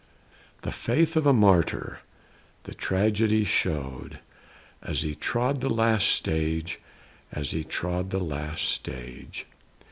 The faith of a martyr, the tragedy show'd, As he trod the last stage; as he trod the last stage.